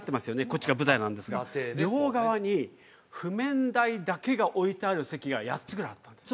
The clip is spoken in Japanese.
こっちが舞台なんですが両側に譜面台だけが置いてある席が８つぐらいあったんです